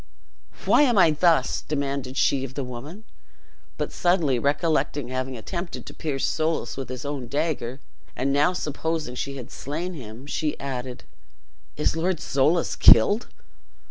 "Why am I thus?" demanded she of the woman; but suddenly recollecting having attempted to pierce Soulis with his own dagger, and now supposing she had slain him, she added, "Is Lord Soulis killed?"